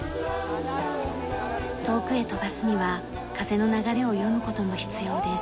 遠くへ飛ばすには風の流れを読む事も必要です。